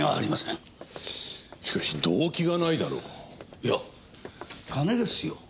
いや金ですよ。